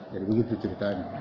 jadi begitu ceritanya